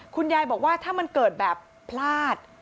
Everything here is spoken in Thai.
คุณยายบอกว่าถ้ามันเกิดแบบพลาด